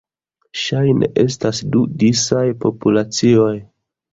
Ŝajne estas du disaj populacioj.